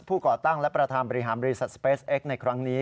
ก่อตั้งและประธานบริหารบริษัทสเปสเอ็กซ์ในครั้งนี้